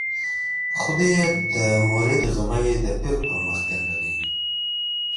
o خو دوى يې د مريد غمى د پير پر مخ گنډلی.